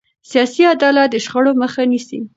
سیاسي عدالت د شخړو مخه نیسي